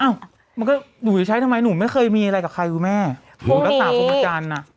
อ้าวมันก็หนูจะใช้ทำไมหนูไม่เคยมีอะไรกับใครดูแม่หนูรัฐสาวฟุมจรรย์น